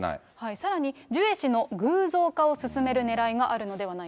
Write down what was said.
さらに、ジュエ氏の偶像化を進めるねらいがあるのではないか。